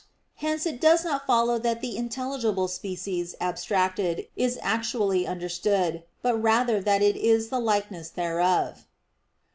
Hence it does not follow that the intelligible species abstracted is what is actually understood; but rather that it is the likeness thereof.